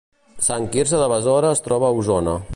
Sant Quirze de Besora es troba a Osona